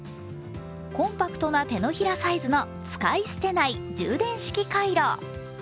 コンパクトな手のひらサイズの使い捨てない充電式カイロ。